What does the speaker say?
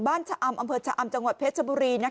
บ้านชะอำอะเมอร์ชะอำจงหวัดเพชรบุรี